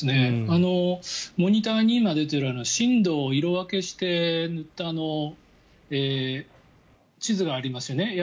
モニターに今出ている震度を色分けしている地図がありますよね。